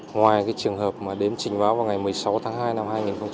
ngoài trường hợp đến trình báo vào ngày một mươi sáu tháng hai năm hai nghìn một mươi bảy